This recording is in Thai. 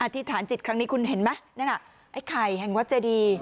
ที่ฐานจิตครั้งนี้คุณเห็นไหมนั่นน่ะไอ้ไข่แห่งวัดเจดี